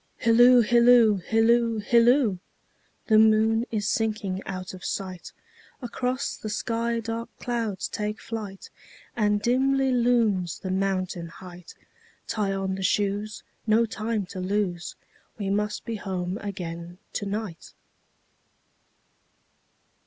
Hilloo, hilloo, hilloo, hilloo! The moon is sinking out of sight, Across the sky dark clouds take flight, And dimly looms the mountain height; Tie on the shoes, no time to lose, We must be home again to night.